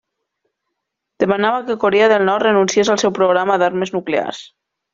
Demanava que Corea del Nord renunciés al seu programa d'armes nuclears.